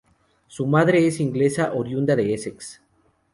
Su madre es inglesa, oriunda de Essex.